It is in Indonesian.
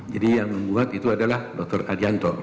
jadi yang membuat itu adalah dr adianto